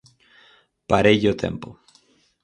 Pareille o tempo.